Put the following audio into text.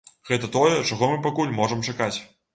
Гэта тое, чаго мы пакуль можам чакаць.